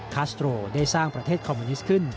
คาสโตรได้สร้างประเทศคอมมิวนิสต์ขึ้น